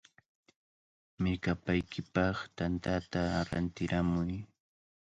¡Mirkapaykipaq tantata rantiramuy!